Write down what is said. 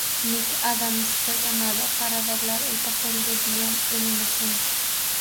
Nick Adams fue llamado para doblar el papel de Dean en una escena.